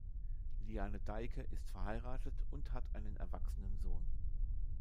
Liane Deicke ist verheiratet und hat einen erwachsenen Sohn.